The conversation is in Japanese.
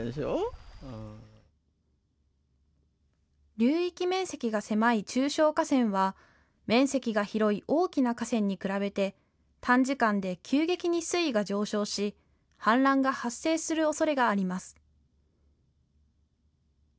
流域面積が狭い中小河川は面積が広い大きな河川に比べて短時間で急激に水位が上昇し氾濫が発生する恐れがあります。